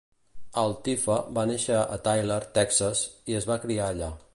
Eltife va néixer a Tyler (Texas) i es va criar allà.